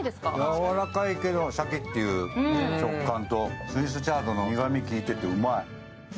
やわらかいけど、シャキッていう食感とスイスチャードの苦みきいててうまい。